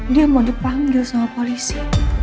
dia mau dipanggil sama polisi